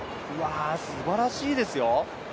すばらしいですよ。